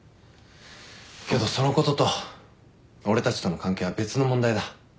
けどそのことと俺たちとの関係は別の問題だ。